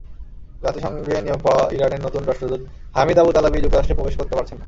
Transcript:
জাতিসংঘে নিয়োগ পাওয়া ইরানের নতুন রাষ্ট্রদূত হামিদ আবুতালেবি যুক্তরাষ্ট্রে প্রবেশ করতে পারছেন না।